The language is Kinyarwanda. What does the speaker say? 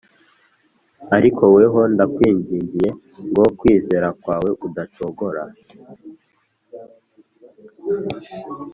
ariko weho ndakwingingiye ngo kwizera kwawe kudacogora